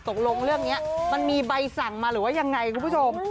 ตกลงเรื่องนี้มันมีใบสั่งมาหรือว่ายังไงคุณผู้ชม